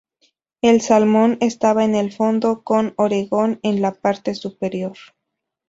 El salmón estaba en el fondo, con Oregón en la parte superior.